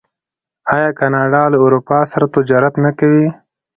آیا کاناډا له اروپا سره تجارت نه کوي؟